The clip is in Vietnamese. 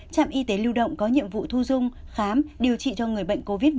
trạm y tế lưu động có nhiệm vụ thu dung khám điều trị cho người bệnh covid một mươi chín